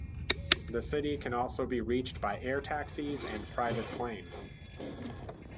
The city can also be reached by air taxis and private plane.